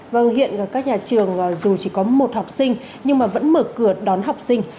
vâng hiện các nhà trường dù chỉ có một học sinh nhưng mà vẫn mở cửa đón học sinh